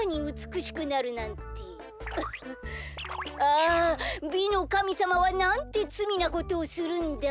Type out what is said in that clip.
フッあ美のかみさまはなんてつみなことをするんだ。